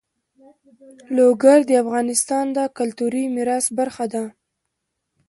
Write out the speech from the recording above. لوگر د افغانستان د کلتوري میراث برخه ده.